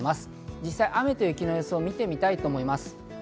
実際、雨と雪の予想を見てみたいと思います。